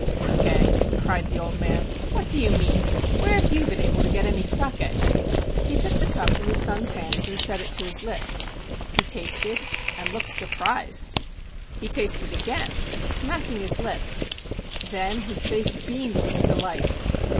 "Saki!" cried the old man. "What do you mean ? Where have you been able to get any saki?" THE ENCHANTED WATERFALL He took the cup from his son's hands and set it to his lips. He tasted and looked surprised. He tasted again, smacking his lips. Then his face beamed with delight.